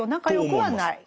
はい。